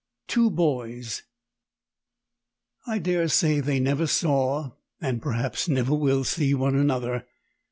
TWO BOYS. I daresay they never saw, and perhaps never will see, one another.